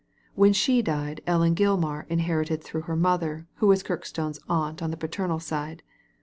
When she died Ellen Gilmar inherited through her mother, who was Kirkstone's aunt on the paternal side.